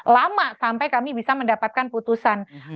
lama sampai kami bisa mendapatkan putusan